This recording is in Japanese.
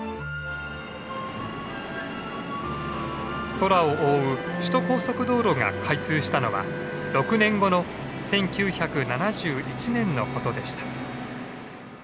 空を覆う首都高速道路が開通したのは６年後の１９７１年のことでした。